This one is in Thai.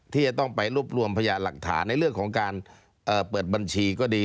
ที่จะต้องไปรวบรวมพยานหลักฐานในเรื่องของการเปิดบัญชีก็ดี